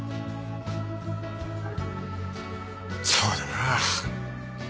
そうだな。